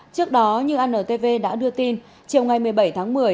trước đó như antv đã đưa tin chiều ngày một mươi bảy tháng một mươi